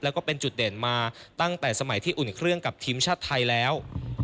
แล้วก็เป็นจุดเด่นมาตั้งแต่สมัยที่อุ่นเครื่องกับทีมชาติไทยแล้ว